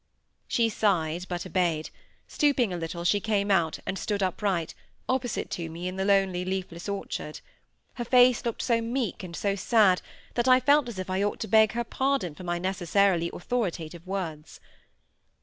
She sighed, but obeyed; stooping a little, she came out, and stood upright, opposite to me in the lonely, leafless orchard. Her face looked so meek and so sad that I felt as if I ought to beg her pardon for my necessarily authoritative words.